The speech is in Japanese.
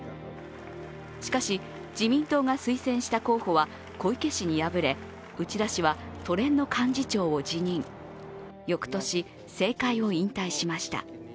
しかし、自民党が推薦した候補は小池氏に敗れ、内田氏は、都連の幹事長を辞任、よくとし、政界を引退しました。